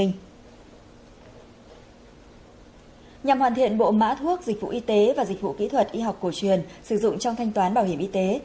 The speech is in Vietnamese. nhằm hoàn thiện bộ mã thuốc dịch vụ y tế và dịch vụ kỹ thuật y học cổ truyền sử dụng trong thanh toán bảo hiểm y tế